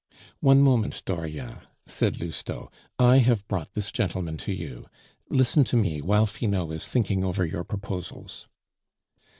"One moment, Dauriat," said Lousteau. "I have brought this gentleman to you. Listen to me, while Finot is thinking over your proposals."